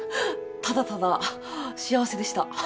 ただただ幸せでした。